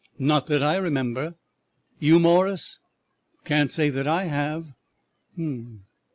"Not that I remember." "You, Morris?" "Can't say that I have." "Hm!